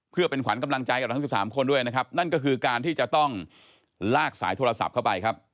เพื่อเป็นขวัญกำลังใจกับเราทั้ง๑๓คนด้วยนะครับนั่นก็คือการที่จะต้องลากสายโทรศัพท์เข้าไปครับ